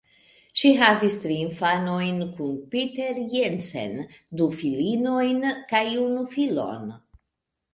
Ŝi havis tri infanojn kun Peter Jensen, du filinojn kaj unu filon.